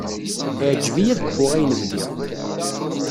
Iɛǧeb-iyi ad kfuɣ ayen bdiɣ.